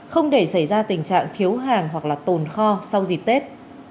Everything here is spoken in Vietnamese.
không để xảy ra tình trạng thiếu hàng hoặc tồn kho sau dịp tết